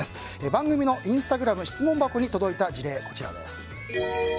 番組のインスタグラム質問箱に届いた事例です。